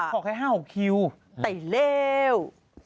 ขอแค่๕๖คิวตายแล้ว